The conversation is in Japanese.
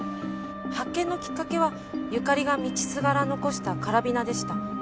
発見のきっかけはゆかりが道すがら残したカラビナでした。